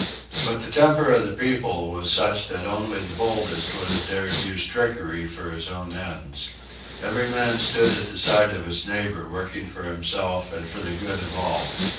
But the temper of the people was such that only the boldest would have dared to use trickery for his own ends. Every man stood at the side of his neighbor working for himself and for the good of all.